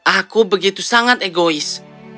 aku begitu sangat egois